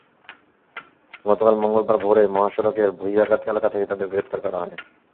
গতকাল মঙ্গলবার ভোরে মহাসড়কের ভূঁইয়াগাতি এলাকা থেকে তাঁদের গ্রেপ্তার করা হয়।